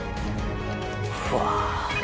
うわ。